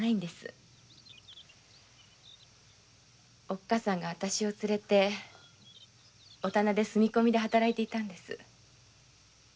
おっかさんがわたしを連れて住み込みで働いていたんです。